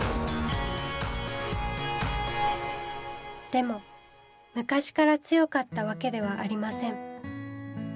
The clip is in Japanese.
でも昔から強かったわけではありません。